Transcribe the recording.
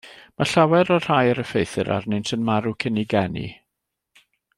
Mae llawer o'r rhai yr effeithir arnynt yn marw cyn eu geni.